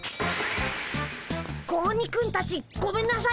子鬼くんたちごめんなさい。